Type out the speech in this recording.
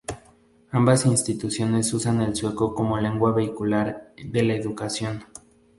Ambas instituciones usan el sueco como lengua vehicular de la educación.